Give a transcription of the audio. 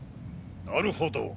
なるほど。